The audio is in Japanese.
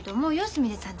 すみれさん。